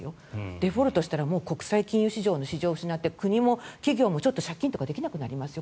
デフォルトしたら国際市場の信用を失ってちょっと借金とかできなくなりますよ